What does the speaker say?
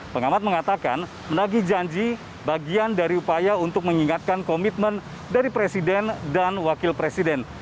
pengamat mengatakan menagi janji bagian dari upaya untuk mengingatkan komitmen dari presiden dan wakil presiden